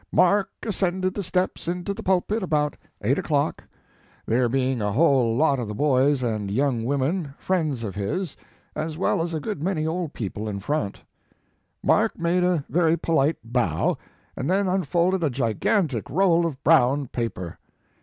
"Mark as cended the steps into the pulpit about 8 o clock, there being a whole lot of the boys and young women, friends of his, as well as a good many old people in front. Mark made a very polite bow, and then unfolded a gigantic roll of brown paper.